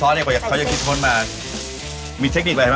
พระครับขาดเส้นให้ได้นิ่มใสวันนี้จะออกไปใสนะคะ